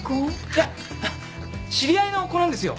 いや知り合いの子なんですよ。